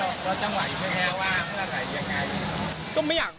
ก็จะไหวแค่ว่าเวลาไหร่อย่างไร